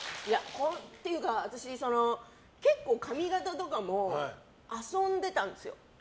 私、結構髪形とかも遊んでたんですよ。